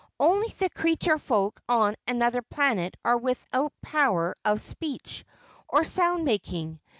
"Only the creature folk on Anuther Planet are without power of speech or sound making.